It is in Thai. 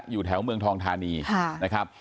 อยู่แถวเมืองทองทานีนะครับ